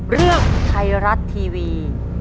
เรื่องไทยรัฐทีวี